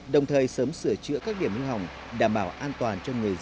đồng thời sớm sửa chữa các điểm hư hỏng đảm bảo an toàn cho người dân